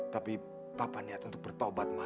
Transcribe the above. tapi bapak niat untuk bertobat ma